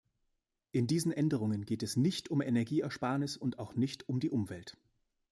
In diesen Änderungen geht es nicht um Energieersparnis und auch nicht um die Umwelt.